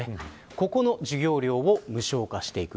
ここの授業料を無償化していく。